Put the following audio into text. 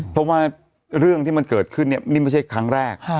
เพราะว่าเรื่องที่มันเกิดขึ้นเนี่ยนี่ไม่ใช่ครั้งแรก